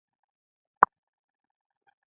د لمریزې انرژۍ نه کارول ضایعات دي.